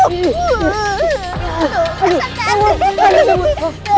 kiram cantik banget